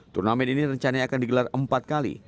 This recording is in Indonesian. turnamen ini rencana akan digelar empat kali